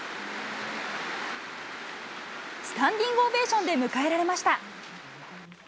スタンディングオベーションで迎えられました。